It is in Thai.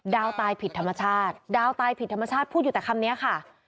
ตายผิดธรรมชาติดาวตายผิดธรรมชาติพูดอยู่แต่คำนี้ค่ะ